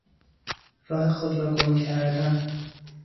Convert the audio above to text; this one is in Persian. راه خود را گم کردن